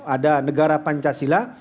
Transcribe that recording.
ada negara pancasila